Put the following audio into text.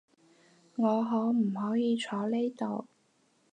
我可唔可以坐呢度？